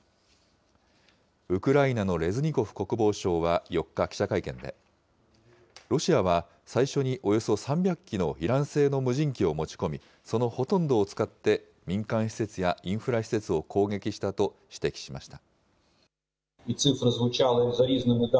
ウクライナのレズニコフ国防相は４日、記者会見で、ロシアは最初におよそ３００機のイラン製の無人機を持ち込み、そのほとんどを使って、民間施設やインフラ施設を攻撃したと指摘しました。